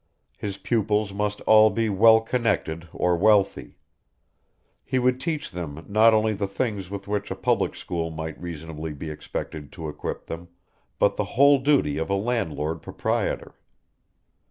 His pupils must all be well connected or wealthy. He would teach them not only the things with which a public school might reasonably be expected to equip them, but the whole duty of a landed proprietor.